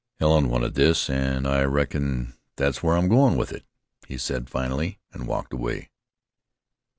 "Helen wanted this, an' I reckon that's where I'm goin' with it," he said finally, and walked away.